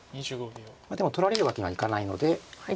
でも取られるわけにはいかないので。